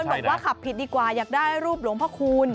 บอกว่าขับผิดดีกว่าอยากได้รูปหลวงพระคูณ